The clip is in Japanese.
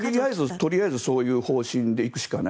とりあえずそういう方針で行くしかない。